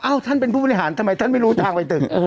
ท่านเป็นผู้บริหารทำไมท่านไม่รู้ทางไปถึง